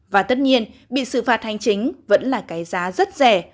và tất nhiên bị xử phạt hành chính vẫn là cái giá rất rẻ